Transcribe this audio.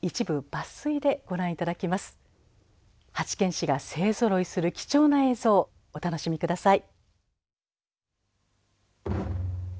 八犬士が勢ぞろいする貴重な映像をお楽しみ下さい。